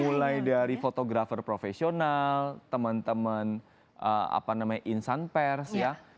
mulai dari fotografer profesional teman teman insan pers ya